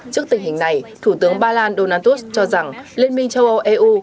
trước tình hình này thủ tướng ba lan donatus cho rằng liên minh châu âu eu